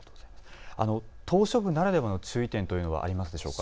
島しょ部ならではの注意点というのはありますか。